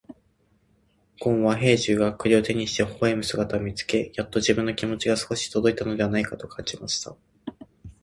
ごんは兵十が栗を手にして微笑む姿を見つけ、やっと自分の気持ちが少し届いたのではないかと感じました。